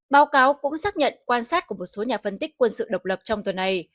báo cáo cũng xác nhận quan sát của một số nhà phân tích quân sự độc lập trong tuần này